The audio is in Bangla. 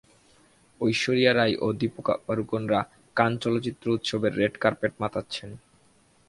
ঐশ্বরিয়া রাই ও দীপিকা পাড়ুকোনরা কান চলচ্চিত্র উৎসবের রেড কার্পেট মাতাচ্ছেন।